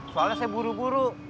soalnya saya buru buru